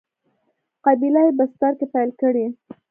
قبیله یي بستر کې پیل کړی.